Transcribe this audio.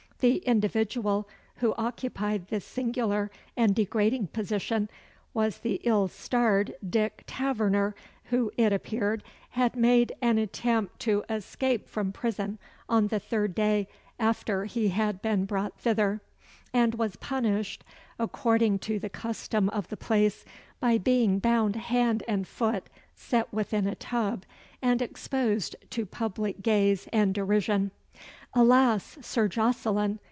The individual who occupied this singular and degrading position was the ill starred Dick Taverner, who, it appeared, had made an attempt to escape from prison on the third day after he had been brought thither, and was punished, according to the custom of the place, by being bound hand and foot, set within a tub, and exposed to public gaze and derision. "Alas! Sir Jocelyn!"